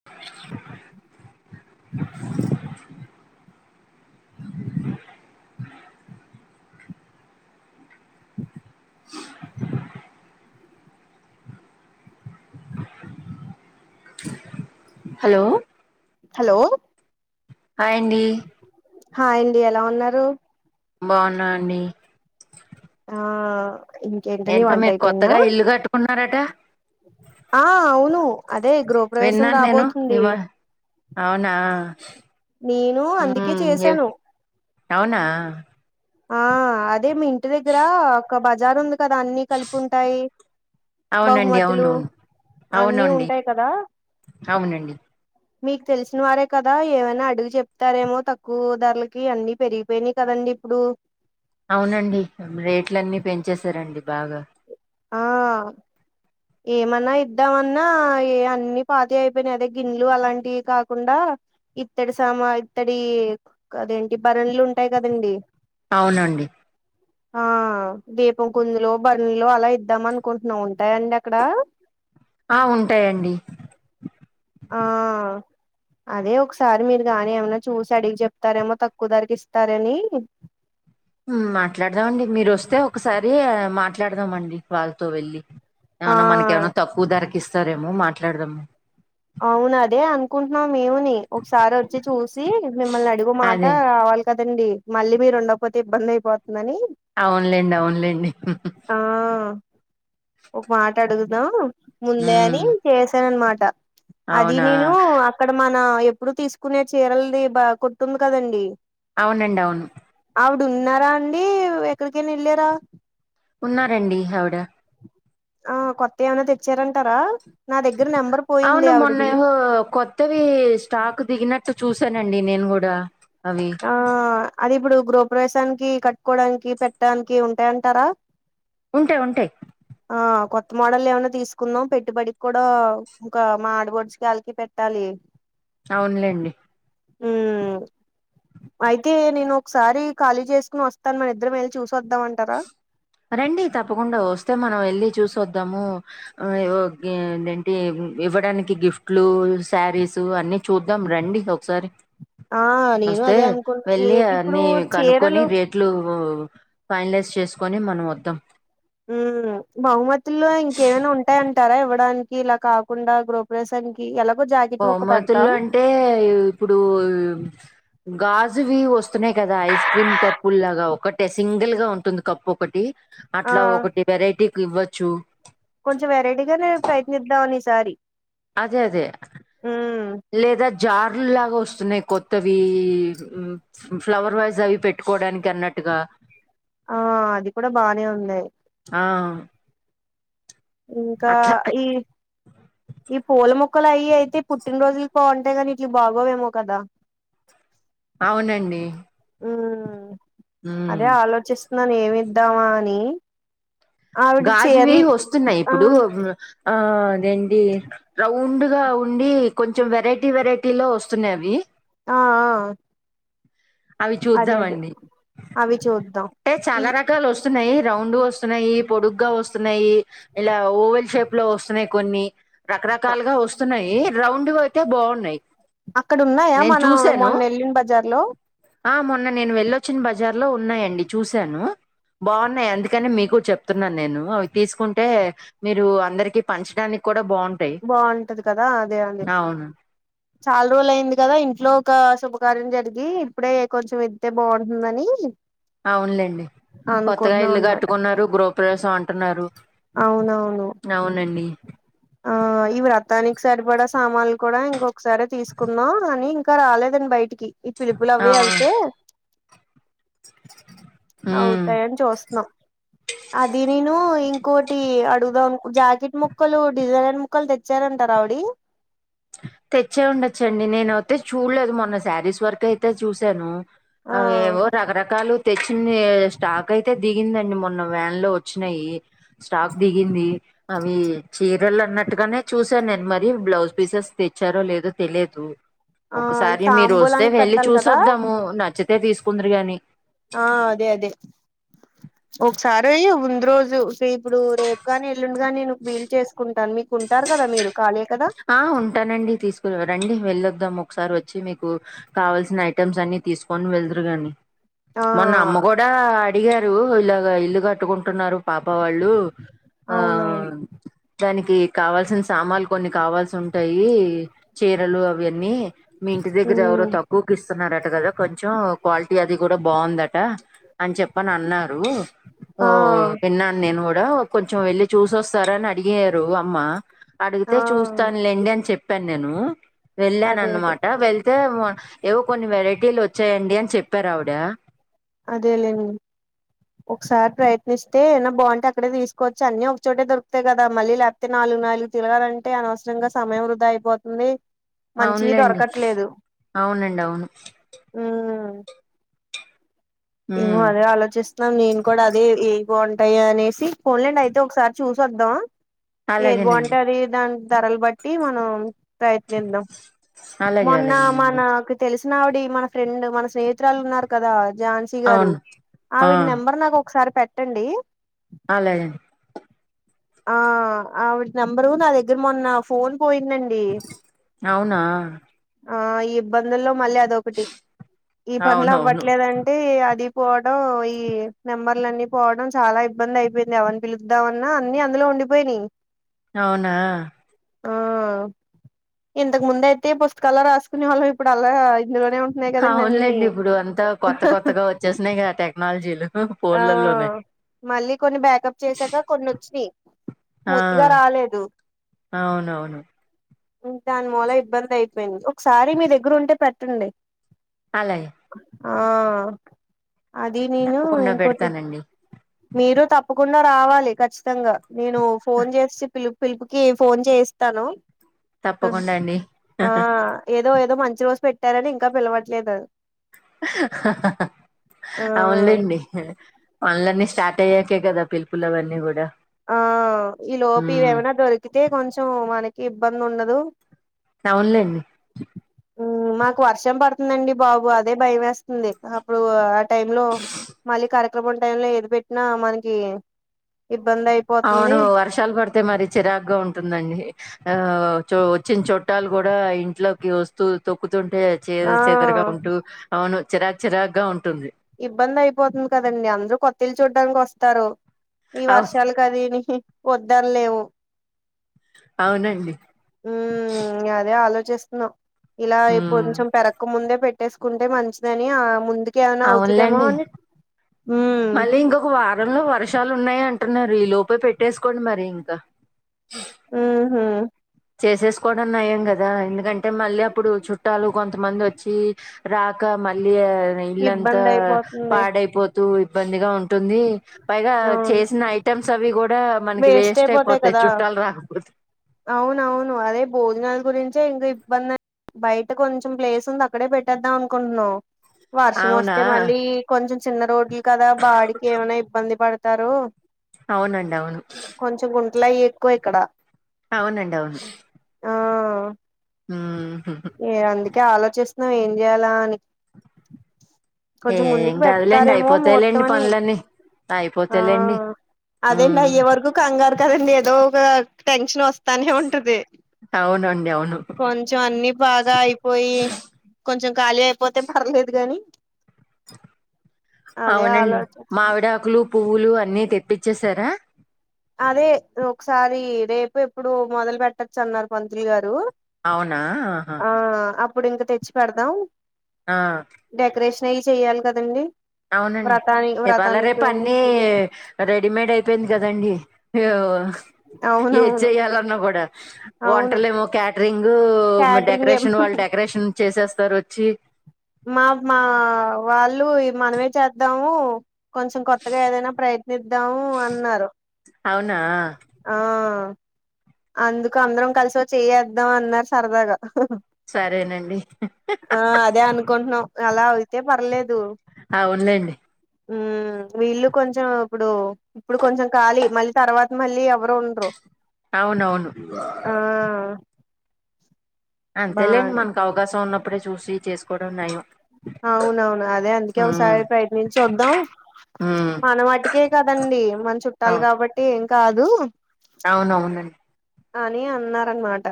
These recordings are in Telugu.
ఆ హలో హలో హయ్ అండి హయ్ అండి ఎలా ఉన్నారు బాగున్నా అండి ఆ ఇంకెంటండి ఏంటో వంట మీరు అయిపోయిందా కొత్తగా ఇల్లు కట్టుకున్నారట ఆ అవును అదే గృహప్రవేశం విన్నాను నేను రాబోతుంది ఏమ అవునా నేను అందుకే ఉమ్ ఎ చేసాను అవునా ఆ అదే మీ ఇంటి దగ్గర ఒక బజార్ ఉంది కదా అన్ని కలిపి ఉంటాయి అవునండి బహుమతులు అవునవును అన్ని అవునండి ఉంటాయి కదా అవునండి మీకు తెలిసిన వారే కదా ఏమైనా అడుగు చెప్తారేమో తక్కువ ధరలకి అన్ని పెరిగిపోయినాయి కదండి ఇప్పుడు అవునండి రేట్లన్నీ పెంచేశారండి బాగా ఆ ఏమన్నా ఇద్దామన్నా ఏ అన్ని పాతవి అయిపోయినాయి అదే గిన్నెలు అలాంటివి కాకుండా ఇత్తడి సామా ఇత్తడి కదేంటి బరంలు ఉంటాయి కదండి అవునండి ఆ దీపం కుందులో బర్లో అలా ఇ ఇద్దాం అనుకుంటున్నాం ఉంటాయ అండి అక్కడ ఆ ఉంటాయండి ఆ అదే ఒకసారి మీరు గాని ఏమన్నా చూసి అడిగి చెప్తారేమో తక్కువ ధరకి ఇస్తారని మాట్లాడదాం అండి మీరు వస్తే ఒకసారి మాట్లాడదాము అండి వాళ్ళతో వెళ్ళి ఆ ఏమనా మనకేమన్న తక్కువ ధరకిస్తారేమో మాట్లాడదాము అవున అదే అనుకుంటున్నాం మేముని ఒకసారి వచ్చి చూసి మిమ్మల్ని అడిగు మాట అదే వళ కదండి మళ్ళీ మీరు ఉండకపోతే ఇబ్బంది అయిపోతుందని అవున్లేండి అవునులేండి ఆ ఒక మాట అడుగుదాం ముందే ఉమ్ అని చేసాను అనమాట అది అవునా నేను అక్కడ మన ఎప్పుడు తీసుకునే చీరలది బా కొట్టు ఉంది కదండి అవునండి అవును ఆవిడ ఉన్నారా అండి ఎక్కడికైనా వెళ్ళరా ఉన్నారండి ఆవిడ ఆ కొత్త ఏమన్న తెచ్చారంటారా నా దగ్గర నెంబర్ పోయింది అవును మొన్న ఆవిడది ఏమో ఏదో కొత్తవి స్టాక్ దిగినట్టు చూసానండి నేను కూడా అవి ఆ అది ఇప్పుడు గృహప్రవేశానికి కట్టుకోవడానికి పెట్టడానికి ఉంటాయంటారా ఉంటాయి ఉంటాయి ఆ కొత్త మోడల్ ఏమైన్నా తీసుకుందాం పెట్టుబడికి కూడా ఇంకా మా ఆడబడుచు వాళ్ళకి కి పెట్టాలి అవునులేండి ఉ అయితే నేను ఒకసారి ఖాళీ చేసుకుని వస్తాను మన ఇద్దరు వెళ్ళి చూసి వద్దాం అంట రండి తప్పకుండా వస్తే మనం వెళ్ళి చూసి వద్దాము ఏంటంటి ఇవ్వడానికి గిఫ్ట్లు శారీస్ అన్ని చూద్దాం రండి ఒకసారి ఆ నేను వస్తే అదే అనుకున్ ఏ వెళ్ళి ఇప్పుడు అన్ని కనుక్కొని చీరలు రేట్ ఇట్లు ఫైనలైజ్ చేసుకొని మనం వద్దాం బహుమతుల్లో ఇంకేమైనా ఉంటాయంటారా ఇవ్వడాన్ ఇలా కాకుండా గృహప్రదేశానికి ఎలాగో జా బహుమతుల్లో అంటే ఇప్పుడు గాజువి వస్తున్నాయి కదా ఐస్ క్రీమ్ కప్పు లాగా ఒకటే సింగిల్ గా ఉంటుంది. కప్పు ఒకటి ఆ అట్లా ఒకటి వెరైటీకి ఇవ్వచ్చు కొంచెం వెరైటీగా నే ప్రయత్నిద్దామని ఈసారి అదే అదే మ్మ్ లేదా జార్లులాగా వస్తున్నాయి కొత్తవి ఫ్లవర్ వాజ్ అవి పెట్టుకోవడానికి అన్నట్టుగా ఆ అది కూడా బానే ఉంది ఆ ఇంకా అట్లా ఈ ఈ పూల మొక్కలు అయి అయితే పుట్టినరోజులకి బాగుంటాయి కాని ఇట్ల బాగోవేమో కదా ఆ అవునండి ఉమ్ అదే ఆలోచిస్తున్నాను ఏమిద్దామా అని అవిడు గాజువి చేరల్ వస్తున్నాయి ఇప్పుడు ఆ అదేంటి రౌండ్ గా ఉండి కొంచెం వెరైటీ వెరైటీ లో వస్తున్నాయి అవి ఆ ఆ అవి అదే అదే చూద్దామండి అవి చూద్దాం అంటే చాలా ఇవి రకాలు వస్ వస్తున్నాయి రౌండ్ వస్తున్నాయి పొడుగ్గా వస్తున్నాయి ఇలా ఓవెల్ షేప్ లో వస్తున్నాయి కొన్ని రకరకాలుగా వస్తున్నాయి రౌండ్గా అయితే బాగున్నాయి అక్కడ ఉన్నాయా నేను మన చూసాను మొన్న నెల్లిన బజార్ లో ఆ మొన్న నేను వెళ్ళొచ్చిన బజార్ లో ఉన్నాయండి చూశాను. బాగున్నాయి అందుకని మీకు చెప్తున్నాను నేను అవి తీసుకుంటే మీరు అందరికి పంచడాని కూడా బాన్ బాగుంటది కదా అదే అండి చాలా రోజుల అయింది కదా ఇంట్లో ఒక శుభకార్యం జరిగి, ఇప్పుడే కొంచెం వెత్తే బాగుంటుందని. అవునులేండి కొత్తగా అనుకుంటున్నాం ఇల్లు అనమాట కట్టుకున్నారు గృహ ప్రవేశం అంటున్నారు. అవునవును అవునండి ఆ ఈ వ్రతానికి సరిపడ సామాన్లు బికూడా ఇంకొకసారి తీసుకుందాం అని. ఇంకా రాలేదండి బయటికి ఈ పిలుపులు ఆ అవే అవి అవి ఉమ్ ఉంటాయని చూస్తున్నాం ఇంకోటి అడుగుదాంను జాకెట్ ముక్కలు, డిజైైనర్ ముక్కలు తెచ్చారంటార ఆవిడి. తెచ్చే ఉండచ్చండి నేనయితే చూడలేదు మొన్న శారీస్ వరకు అయితే చూసాను. ఆ అవేవో రకరకాలు తెచ్చింది స్టాక్ అయితే దిగిందండి మొన్న వ్యాన్ లో వచ్చినాయి స్టాక్ దిగింది అవి చీరలు అన్నట్టుగానే చూసాను నేను మరి బ్లౌజ్ పిసెస్ తెచ్చారో లేదో తెలియదు ఆ ఈ ఒకసారి మీరు వస్తే తాంబూలానికి వెళ్ళి పెట్టాలి చూసి కదా వద్దాము నచ్చితే తీసుకుందరు గాని ఒకసారి ముందు రోజు చే ఇప్పుడు రేప్ కాని ఎల్లుండుగాని ను వీల్ చేసుకుంటాన్ మీకుంటారు కదా మీరు కాలే కదా ఆ ఉంటానండి తీసుకు రండి వెళ్ళొద్దాం ఒకసారి వచ్చి మీకు కావల్సిన ఐటమ్స్ అన్ని తీసుకొని వెల్దురు గానీ ఆ మొన్న అమ్మ గూడా డిగారు ఇలాగ ఇల్లు కట్టుకుంటున్నారు పాప వాళ్ళు ఆ అవునవును దానికి కావాల్సిన్ సామాల్ కొన్ని కావాల్సి ఉంటాయి చీరలు అవన్నీ మీ ఇంటి దగ్గర ఎవరో ఉమ్ తక్కువకిస్తున్నారట గదా కొంచెం క్వాలిటీ అది గూడా బాగుందట అన్ చెప్పనన్నారు ఓ ఆ విన్నాన్నేన్ గూడా కొంచెం వెళ్ళి చూసొస్తారా అన్ అడిగారు అమ్మ అడిగితే ఆ చూస్తాన్ లేండి అన్ చెప్పాన్నేను అదే అదే వెళ్ళానన్నమాట వెళ్ తే వ ఏవో కొన్ని వెరైటీలోచ్చాయండి అన్ చెప్పారావిడ అదేలేన్ని ఒకసారి ప్రయత్నిస్తే ఏన్న బాగుంటే అక్కడే తీసుకోవచ్చి అన్నీ ఒకచోటే దొరుకుతాయ్ గదా మళ్ళీ ల్యాప్ తే నాలు నాలు తిరగాలంటే అనవసరంగా సమయం వృధా అయిపోతుంది మంచివి అవునులేండి దొరకట్లేదు అవునండవును ఊ ఇవ్వు ఉమ్ అదే ఆలోచిస్ నన్ నేను కూడా అదే ఏవి బాగుంటాయనేసి పోన్లేండ్ అయితే ఒకసారి చూసోద్దాం ఏది అలాగేనండి బాగవుంటది దాన్ ధరల్ బట్టి మనం ప్రయత్నిద్దాం అలాగే మొన్న అలాగేనండి మనాకు తెలిసినావిడి మన ఫ్రెండ్ మన స్నేహితురాలున్నారు కదా జాన్స్ తి గారు అవును ఆ ఆవీడ్ నెంబర్ నాక్ ఒకసారి పెట్టండి అలాగే ఆ ఆవిడ్ నెంబరు నా దగ్గర్ మొన్న ఫోన్ పోయిందండి అవునా ఆ ఈ ఇబ్బందుల్లో మళ్ళీ అదొకటి ఈ పనుల్ అవునవును అవ్వట్లేదన్ టీ అడీ పోవడం ఈ నెంబర్లన్ని పోవడం చాలా ఇబ్బందయిపోయిందెవన్ పిలుద్దావన్నా అన్ని అందులో ఉండిపోయినాయి అవునా ఆ ఇంతకు ముందయితే పుస్తకాల రాసుకునేవాళ్ళం ఇప్పుడలా ఇందులోనే ఉన్ అవునులేండి ఇప్పుడు అంతా కొత్త కొత్తగా ఒచ్చేసినాయి గా టెక్నాలజీలు ఆ ఫోన్లలోనే మళ్ళీ కొన్ని బ్యాకప్ చేసాక కొన్నోచ్చినియ్ ఆ ఫూర్తిగా రాలేదు అవునవును ఉన్ దాన్ మూల ఇబ్బందయిపోయింద్ ఒకసారి మీ దగ్గరుంటే పెట్టండి అలయ ఆ అదీ నేను తప్పకుండా ఇంకోటి పెడతానండి మీరు తప్పకుండా రావాలి ఖచ్చితంగా నేను ఫోన్ చేసి పిలుప్ పిలుపుకి ఫోన్ చేస్తాను తప్పకుండా అండి ఆ ఏదో ఏదో మంచి రోజ్ పెట్టారని ఇంకా పిలవట్లేదు ఆ అవునులేండి అళ్లన్ని స్టార్ట్ అయ్యాకే కదా పిలుపుల్ అవన్నీ గూడా ఆ ఈ లోపీవేమైనా దొరికితే కొంచెం మనకి ఇబ్బందుండదు అవున్లేండి ఊ మాకు అర్షం పడుతుందండి బాబు అదే భయమేస్ వుంది అప్పుడు ఆ టైం లో మళ్ళి కర్ క్రమం టైం లో ఎది పెట్టినా మనకి ఇబ్బంది అయి అవును వర్షాలు పడితే మరి చిరాకుగా ఉంటుందండి ఆ చో వచ్చిన చుట్టాలు కూడా ఇంట్లోకి వస్తూ తొక్కుతుంటే చే ఆ చేదరగా ఉంటూ అవును చిరాకు చిరాకుగా ఉంటుంది ఇబ్బంది అయిపోతుంది కదండి అందరు కొత్తిలు చూడ్డానికి వస్తారు ఈ అవును వర్షాలు ఇంక దీనికి వద్దనలేము అవునండి మ్మ్ ఇంగ అదే ఆలోచిస్తున్నాం ఇలా హ్మ్. కొంచెం పెర క ముందే పెట్టేసుకుంటే మంచిదని ఆ ముందుకి ఏదనా అవుతదేమో అవునులేండి. అని మ్మ్ మళ్ళీ ఇంకొక వారంలో వర్షాలు ఉన్నాయి అంటున్నారు ఈ లోపే పెట్టేసుకోండి మరి ఇంకా మ్మ్ హు చేసేసుకోవడం నయం కదా ఎందుకంటే మళ్ళీ అప్పుడు చుట్టాలు కొంతమంది వచ్చి రాక మళ్ళీ ఇల్లంతా ఇబ్బంది అయిపోతుంది పాడైపోత్ తు ఇబ్బందిగా ఉంటుంది పైగా అవును చేసిన ఐటెమ్స్ అవి కూడా మనకి వేస్ట్ అయిపోతాయి చుట్టాలు రాకపోతే అవునవును అదే భోజనాల గురించి ఇంకా ఇబ్బంది అన్ బయట కొంచెం ప్లేస్ ఉంది అక్కడే పెట్టేద్దాం అనుకుంటున్నాం వర్షం అవునా వస్తే మళ్ళీ కొంచెం చిన్న రోడ్లు కదా బాడికి ఏమైనా ఇబ్బంది పడతారు అవునండి అవును కొంచెం గుంటలు అయి ఎక్కువ ఇక్కడ అవునండి అవును ఆ మ్మ్ ఏ అందుకే ఆలోచిస్తున్నాం ఏం చేయాల అని కొంచెం ఏం ముందుకి కాదులేండి పెడతారేమో ముహూర్తం అయిపోతాయిలేండి అని పనులన్నీ ఆ అయిపోతాయిలేండి అదేంది ఉమ్ అయ్యే వరకు కంగారు కదండి ఏదో ఒక టెన్షన్ వస్తానే ఉంటది అవునండి అవును కొంచెం అన్ని బాగా అయిపోయి కొంచెం గాలి అయిపోతే పర్లేదు గాని అదే అవునండి ఆలోచిస్తున్న మావిడాకులు పువ్వులు అన్ని తెప్పిచ్చేసారా అదే ఒకసారి రేపు ఎప్పుడు మొదలు పెట్టచ్చు అన్నారు పంతులు గారు అవునా ఆహా ఆ అప్పుడు ఇంక తెచ్చి పెడతాం ఆ డెకరేషన్ అయి చెయాలి కదండి అవునండి వ్రతాని ఇవాళ వ్రతానికి రేపు వెళ్ళి అన్నీ రెడీమేడ్ అయిపోయింది కదండి ఏది అవునవును చెయాలన్నా కూడా అవును వంటలేమో క్యాటరింగ్ క్యాటరింగ్ ఏం డెకరేషన్ వాళ్ళు డెకరేషన్ చేసేస్తారు వచ్చి మా మా వాళ్ళు ఈ మనమే చేద్దాం మ్మ్ కొంచెం కొత్తగా ఏదైనా ప్రయత్నిద్దాము అన్నారు అవునా ఆ అందుకు అందరం కలిసోచెయ్యేద్దాం అన్నారు సరదాగా సరేనండి ఆ అదే అనుకుంటున్నాం అలా అయితే పర్లేదు అవునులెండి మ్మ్ వీళ్ళు కొంచెం అప్పుడు ఇప్పుడు కొంచెం ఖాళీ మళ్ళీ తర్వాత మళ్ళీ ఎవరు ఉండరు అవునవును ఆ అంతేలేండి బానే మనకు అవకాశం ఉన్నప్పుడే చూసి చేసుకోవడం నయం అవునవును అదే అందుకే ఉమ్ ఒకసారి ప్రయత్నించి చూద్దాం ఉమ్ మన వాటికే కదండీ మన చుట్టాలు కాబట్టీ ఏం కాదూ అవునవునండ్ అనీ అన్నారనమాట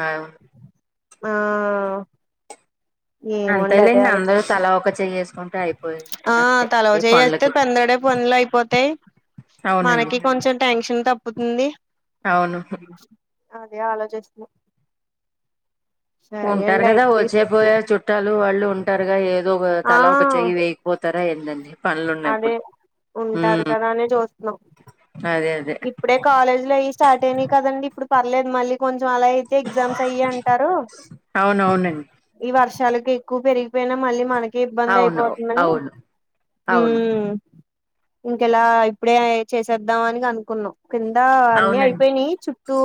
ఆ మా అంతేలేండి అందరూ ఆలోచిస్తు తలా ఒక చెయ్యి ఏసుకుంటే అయి ఆ తలా ఓ చేయేస్తే పందడే పనులు అయిపోతయ్ అవునండి మనకి కొంచెం టెన్షన్ తప్పుతుంది అవును అదే ఆలోచిస్తున ఉంటరు అండి కదా అయితే వచ్చే పోయే చుట్ చుట్టాలు వాళ్ళు ఉంటారుగా ఏదో ఒకా ఆ తల ఒక చెయ్యి వెయ్కపోతారా ఏందండి అదే పనులున్నప్పుడు ఉంటారు ఉమ్ కదా అనే చూస్తున్నాం అదే అదే ఇప్పుడే కాలేజ్ లు అయి స్టార్ట్ అయినయ్ కదండి ఇప్పుడు పర్లేదు మళ్ళీ కొంచెం అలా అయ్ తే ఎగ్జామ్స్ అయ్యి అంటరూ అవునవునండి ఈ వర్షాలకు ఎక్కువ పెరిగిపోయినా మళ్ళీ మనక్ కీ ఇబ్బంది అయ్ అవును పోతుందని అవును అవును ఊమ్ ఇంకెలా ఇప్పుడే అయి చేసేద్దాం అని అనుకున్నాం కిందా అన్ని అవునండి అయిపోయినాయి చుట్టూ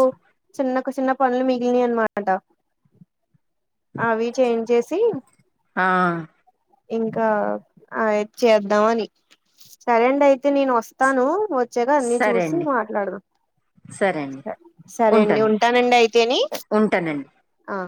చిన్నకు చిన్న పనులు మిగిలినయ్ అన్మాట అవి చేయించేసీ ఆ ఇంకా అయ్ చేద్దామని సరే అండి అయితే నేనొస్తనూ వచ్చేక అన్ని సరే చూస్ సి అండి మాట్లాడదాం సరే అండి సరే అండి ఉంటాను ఉంటానండి అయితేని ఉంటానండి ఆ